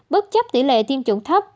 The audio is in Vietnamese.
bất chấp tỷ lệ tiêm chủng thấp